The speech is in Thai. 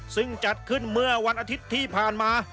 ซึ่งจัดขึ้นเมื่อวันอาทิตย์ที่ผ่านมา